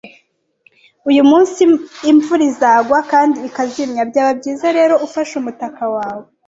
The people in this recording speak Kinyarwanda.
Uyu munsi imvura izagwa kandi ikazimya, byaba byiza rero ufashe umutaka wawe.